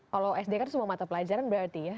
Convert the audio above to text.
kalau sd kan semua mata pelajaran berarti ya